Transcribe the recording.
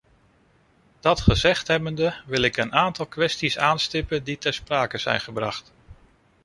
Dat gezegd hebbende, wil ik een aantal kwesties aanstippen die ter sprake zijn gebracht.